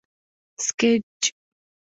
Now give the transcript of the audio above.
سکیچ